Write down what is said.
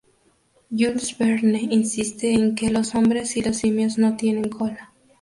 Jules Verne insiste en que los hombres y los simios no tienen cola.